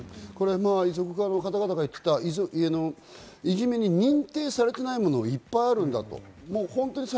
遺族側の方々が言っていた、いじめに認定されていないものがいっぱいあるんだと。